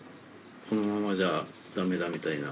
このままじゃダメだみたいな。